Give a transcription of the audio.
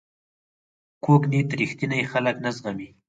کوږ نیت رښتیني خلک نه زغمي